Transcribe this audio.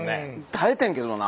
耐えてんけどな。